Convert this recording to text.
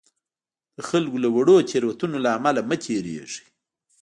د خلکو له واړو تېروتنو له امله مه تېرېږئ.